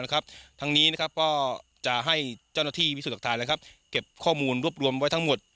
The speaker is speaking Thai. ทางนี้ก็จะให้เจ้าหน้าที่พิสูจน์หลักฐานเก็บข้อมูลรวบรวมไว้ทั้งหมด